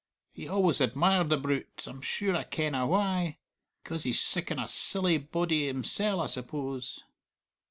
He always admired the brute I'm sure I kenna why. Because he's siccan a silly body himsell, I suppose!"